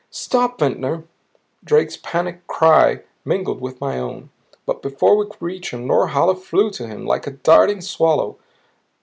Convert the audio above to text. "Stop! Ventnor " Drake's panic cry mingled with my own. But before we could reach him, Norhala flew to him, like a darting swallow.